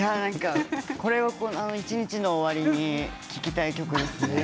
これを一日の終わりに聴きたい曲ですね。